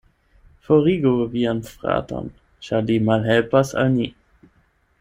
Forigu vian fraton, ĉar li malhelpas al ni.